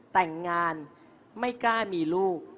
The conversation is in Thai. แต่งงานไม่กล้ามีลูก